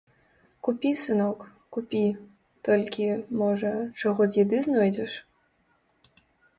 Купі, сынок, купі, толькі, можа, чаго з яды знойдзеш.